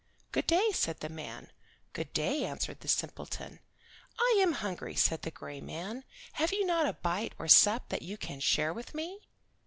"Good day," said the man. "Good day," answered the simpleton. "I am hungry," said the gray man. "Have you not a bite or sup that you can share with me?"